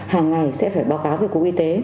hàng ngày sẽ phải báo cáo về cục y tế